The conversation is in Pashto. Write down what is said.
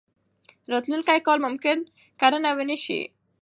راتلونکی کال ممکن کرنه ونه شي.